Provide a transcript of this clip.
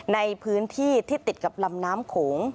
ในพื้นที่ที่ติดกับลำน้ำโขง